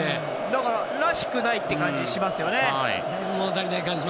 だから、らしくないという感じがしますよね。